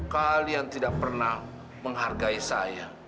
kalian tidak pernah menghargai saya